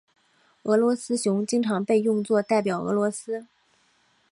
俄罗斯熊经常被用作代表俄罗斯。